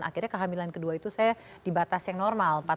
akhirnya kehamilan kedua itu saya dibatas yang normal